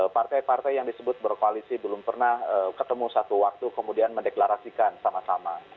partai partai yang disebut berkoalisi belum pernah ketemu satu waktu kemudian mendeklarasikan sama sama